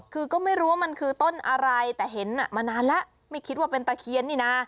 คือก็ไม่รู้ว่ามันคือต้นอะไรแต่เห็นมานานแล้วไม่คิดว่าเป็นตะเคียนนี่นะ